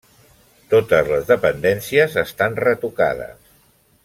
Totes les dependències estan retocades.